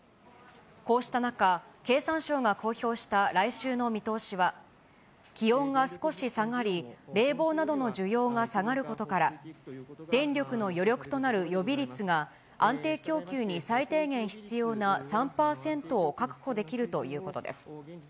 こうした中、経産省が公表した来週の見通しは、気温が少し下がり、冷房などの需要が下がることから、電力の余力となる予備率が、安定供給に最低限必要な３％を確保できるということです。